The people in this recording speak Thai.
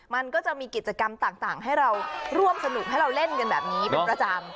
มันก็จะมีกิจกรรมต่างให้เราร่วมสนุกให้เราเล่นกันแบบนี้เป็นประจำ